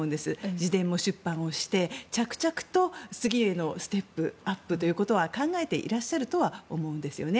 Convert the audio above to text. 自伝も出版して着々と、次へのステップアップということは考えていらっしゃるとは思うんですよね。